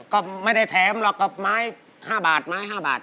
ก็ไม่ได้แถมเหรอก็ไม้๕บาท